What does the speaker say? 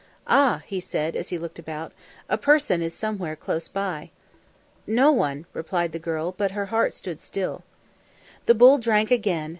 "Ah," he said, as he looked about, "a person is somewhere close by." "No one," replied the girl, but her heart stood still. The bull drank again.